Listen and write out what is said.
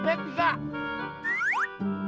dua lagi dua lagi